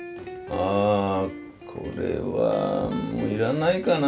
あこれはもう要らないかな。